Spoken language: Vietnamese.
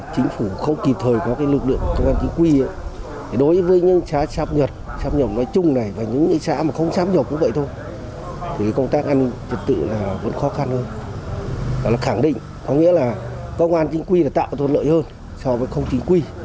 công an chính quy đã tạo ra thuận lợi hơn so với không chính quy